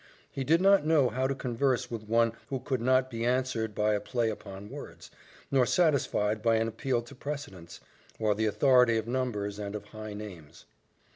He did not know how to converse with one who could not be answered by a play upon words, nor satisfied by an appeal to precedents, or the authority of numbers and of high names.